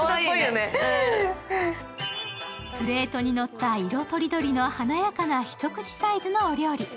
プレートにのった色とりどりの華やかな一口タイプのお料理。